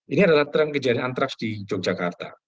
ini adalah trend kejadian antrax di yogyakarta